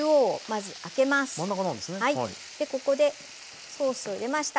ここでソースを入れました。